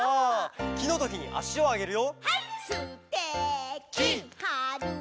「『き』のときにあしをあげるよ」